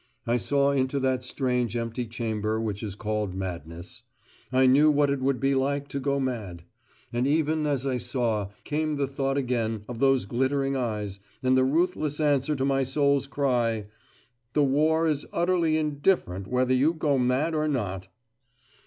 I saw into that strange empty chamber which is called madness: I knew what it would be like to go mad. And even as I saw, came the thought again of those glittering eyes, and the ruthless answer to my soul's cry: "The war is utterly indifferent whether you go mad or not."